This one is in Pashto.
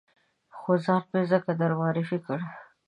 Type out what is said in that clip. خو ځان مې ځکه در معرفي کړ.